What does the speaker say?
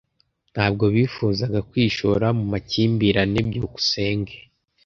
Ntabwo bifuzaga kwishora mu makimbirane. byukusenge